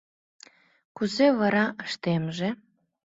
Кузе вара ыштемже?